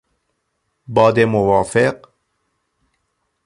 باد موافق